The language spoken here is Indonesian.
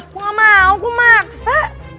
gue gamau gue maksa